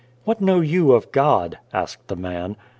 "What know you of God?" asked the man.